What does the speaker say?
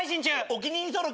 お気に入り登録。